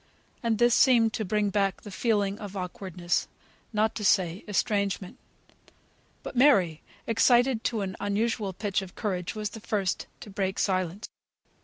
And this seemed to bring back the feeling of awkwardness, not to say estrangement. But Mary, excited to an unusual pitch of courage, was the first to break silence.